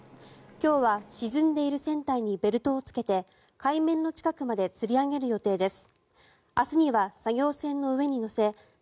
今日は沈んでいる船体にベルトをつけて海面の近くまでつり上げる予定です。